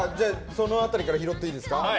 その辺りから拾っていいですか。